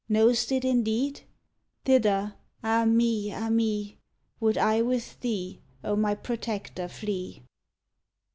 Know'st it indeed? Thither, ah, me! ah, me! Would I with thee, O my protector, flee.